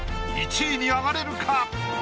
１位に上がれるか⁉